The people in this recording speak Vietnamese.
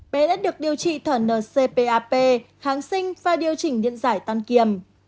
bé đã được điều trị thở ncpap kháng sinh và điều chỉnh điện giải toan kiềm